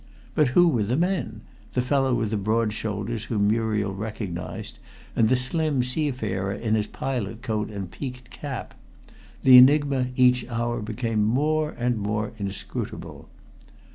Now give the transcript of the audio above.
But who were the men the fellow with the broad shoulders whom Muriel recognized, and the slim seafarer in his pilot coat and peaked cap? The enigma each hour became more and more inscrutable.